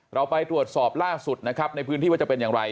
เราไปตรวจสอบล่าสุดนะครับในพื้นที่ว่าจะเป็นอย่างไร